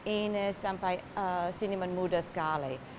ines sampai muda sekali